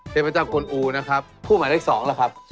เทพเจ้าทวนอู๊ค่ะ